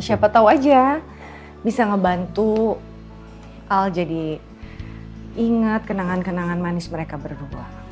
siapa tahu aja bisa ngebantu al jadi ingat kenangan kenangan manis mereka berdua